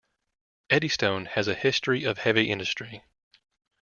Eddystone has a history of heavy industry.